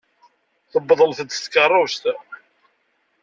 Tewwḍem-d s tkeṛṛust.